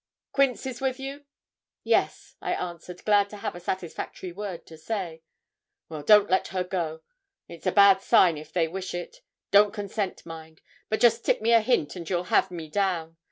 Quince is with you?' 'Yes,' I answered, glad to have a satisfactory word to say. 'Well, don't let her go; it's a bad sign if they wish it. Don't consent, mind; but just tip me a hint and you'll have me down.